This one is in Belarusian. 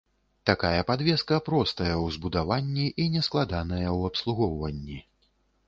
Такая падвеска простая ў збудаванні і не складаная ў абслугоўванні.